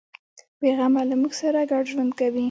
بیغمه له موږ سره ګډ ژوند کوي.